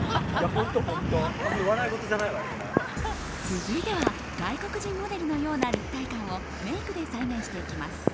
続いては外国人モデルのような立体感をメイクで再現していきます。